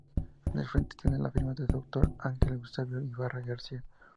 En el frente tiene la firma de su autor, Ángel Eusebio Ibarra García.